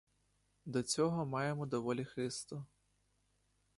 До цього маємо доволі хисту.